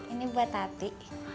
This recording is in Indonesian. ini buat tati